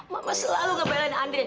mama selalu ngebelain andri